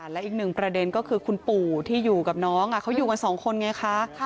และอีกหนึ่งประเด็นก็คือคุณปู่ที่อยู่กับน้องเขาอยู่กันสองคนไงคะ